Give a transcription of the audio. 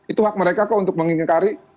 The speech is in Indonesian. itu hak mereka kok untuk mengingkari